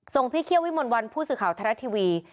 ส่งพี่เคี่ยววิมลวันผู้สื่อข่าวทะเลทีวี